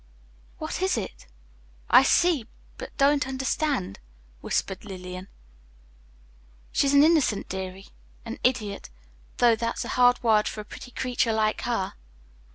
"What is it? I see, but don't understand," whispered Lillian. "She's an innocent, deary, an idiot, though that's a hard word for a pretty creature like her."